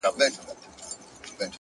د هر سهار تر لمانځه راوروسته!!